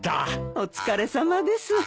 お疲れさまです。